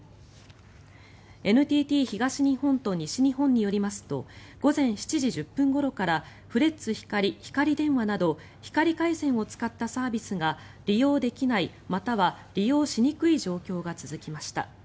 ＮＴＴ東日本と西日本によりますと午前７時１０分ごろからフレッツ光、ひかり電話など光回線を使ったサービスが利用できないまたは利用しにくい状況が続きました。